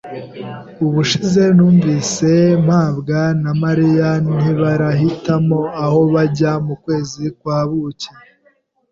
Ubushize numvise, mabwa na Mariya ntibarahitamo aho bajya mu kwezi kwa buki.